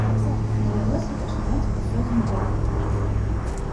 Давялося пачынаць усё з нуля.